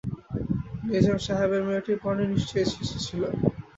নিজাম সাহেবের মেয়েটির পরনে নিশ্চয়ই কিছু ছিল।